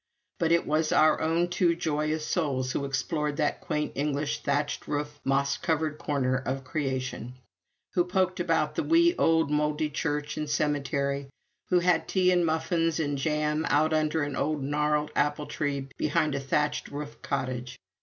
But it was our own two joyous souls who explored that quaint English thatched roof, moss covered corner of creation; who poked about the wee old mouldy church and cemetery; who had tea and muffins and jam out under an old gnarled apple tree behind a thatched roof cottage.